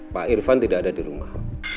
pak irfan tidak ada di rumah